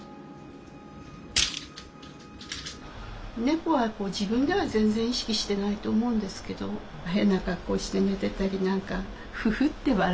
猫は自分では全然意識してないと思うんですけど変な格好して寝てたりなんかフフッて笑えるっていうか。